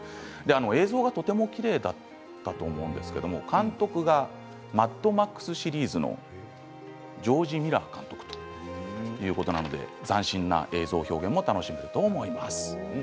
映像がとてもきれいだったと思うんですけど監督が「マッドマックス」シリーズのジョージ・ミラー監督ということなので斬新な映像表現も楽しめると思います。